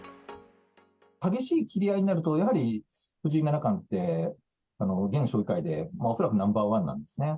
激しいきり合いになると、やはり藤井七冠って、現将棋界で恐らくナンバー１なんですね。